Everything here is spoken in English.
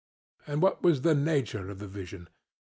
CRITO: And what was the nature of the vision?